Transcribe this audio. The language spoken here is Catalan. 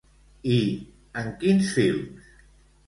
I en quins films?